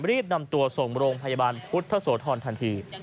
รีบนำตัวส่งโรงพยาบาลพุทธโสธรทันที